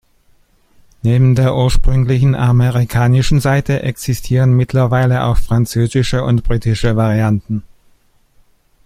Neben der ursprünglichen amerikanischen Seite existieren mittlerweile auch französische und britische Varianten.